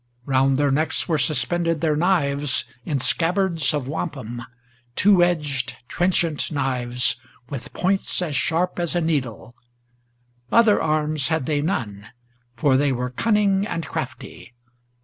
Round their necks were suspended their knives in scabbards of wampum, Two edged, trenchant knives, with points as sharp as a needle. Other arms had they none, for they were cunning and crafty.